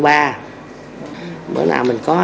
bữa nào mình có